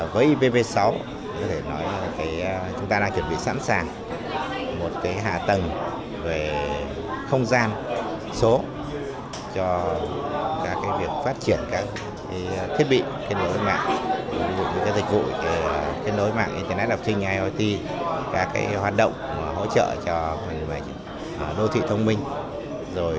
với ipv sáu chúng ta đang chuẩn bị sẵn sàng một hạ tầng về không gian số cho việc phát triển các thiết bị trên môi trường mạng